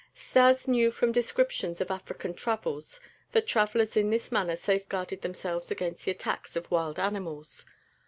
Stas knew from descriptions of African travels that travelers in this manner safeguarded themselves against the attacks of wild animals.